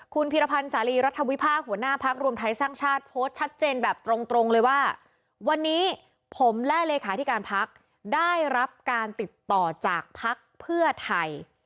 คุณพิรพันธ์สาลีรัฐวิพากหัวหน้าพักรวมไทยสร้างชาติโพสต์ชัดเจนแบบตรงเลยว่าวันนี้ผมและเลขาธิการพักได้รับการติดต่อจากภักดิ์เพื่อไทย